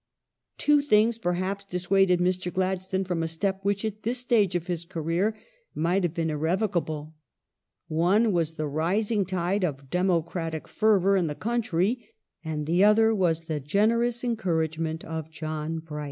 Two things, perhaps, dissuaded Mr. Gladstone from a step which at this stage of his career might have been irrevocable. One was the rising tide of democratic fervour in the country and the other was the generous encouragement of John Bright.